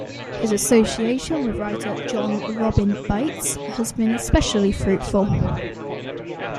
His association with writer Jon Robin Baitz has been especially fruitful.